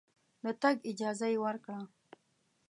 د تګ اجازه یې ورکړه.